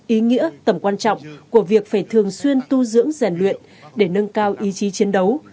ý nghĩa tầm quan trọng của việc phải thường xuyên tu dưỡng rèn luyện để nâng cao ý chí chiến đấu